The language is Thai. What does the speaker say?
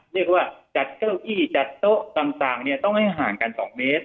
เรียกว่าจัดเก้าอี้จัดโต๊ะต่างต้องให้ห่างกัน๒เมตร